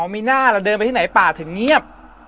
มีหน้าเราเดินไปที่ไหนป่าถึงเงียบ